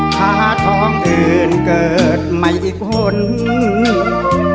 หาท้องอื่นเกิดไม่อีกหล่น